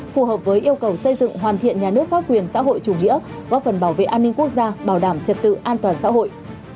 phù hợp với yêu cầu xây dựng hoàn thiện nhà nước pháp quyền xã hội chủ nghĩa góp phần bảo vệ an ninh quốc gia bảo đảm trật tự an toàn xã hội